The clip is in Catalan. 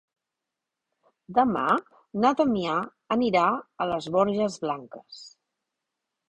Demà na Damià anirà a les Borges Blanques.